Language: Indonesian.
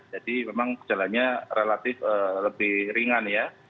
jadi memang jalannya relatif lebih ringan ya